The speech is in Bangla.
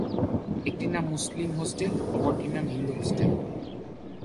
একটির নাম মুসলিম হোস্টেল, অপরটির নাম হিন্দু হোস্টেল।